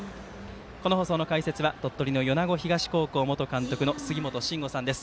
この放送の解説は鳥取の米子東高校元監督の杉本真吾さんです。